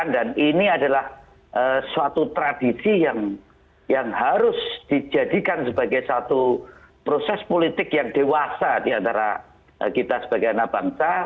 dan ini adalah suatu tradisi yang harus dijadikan sebagai satu proses politik yang dewasa diantara kita sebagai anak bangsa